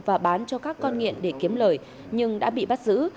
và bán cho các con nghiện để kiếm lời nhưng đã bị bắt giữ